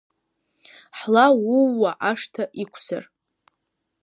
Ҳла ууа ашҭа иқәзар.